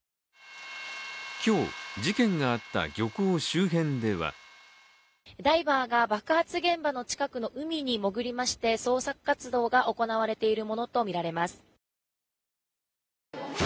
今日、事件があった漁港周辺ではダイバーが爆発現場の近くの海に潜りまして捜索活動が行われているものとみられます。